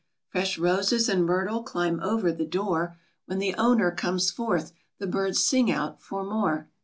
Fresh roses and myrtle climb over the door; When the owner comes forth, the birds sing out the more.